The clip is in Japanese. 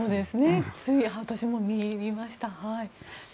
つい私も見入りました。